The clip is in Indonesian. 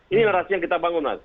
ini narasi yang kita bangun mas